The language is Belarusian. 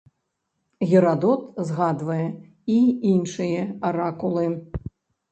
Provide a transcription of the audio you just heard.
Герадот згадвае і іншыя аракулы.